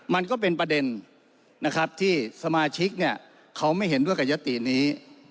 มันก็เป็นประเด็นนะครับที่สมาชิกเนี่ยเขาไม่เห็นด้วยกับยตินี้